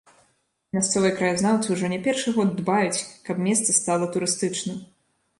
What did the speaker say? Мясцовыя краязнаўцы ўжо не першы год дбаюць, каб месца стала турыстычным.